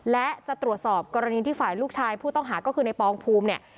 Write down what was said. และจะตรวจสอบกรณีที่ฝ่ายลูกชายผู้ต้องหาก็คือในปองภูมิเนี่ย